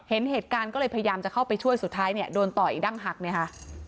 เห็นเหตุการณ์ก็เลยพยายามจะเข้าไปช่วยสุดท้ายเนี่ยโดนต่อยดั้งหักเนี่ยค่ะ